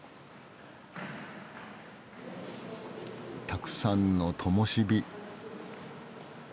たくさんのともしび。